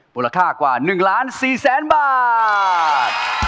มูลค่ากว่า๑๔๐๐๐๐๐บาท